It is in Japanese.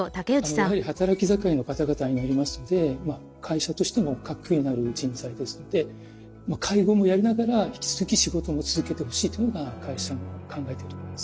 やはり働き盛りの方々になりますので会社としても核になる人材ですので介護もやりながら引き続き仕事も続けてほしいというのが会社の考えてるところです。